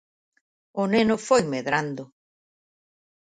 O neno foi medrando.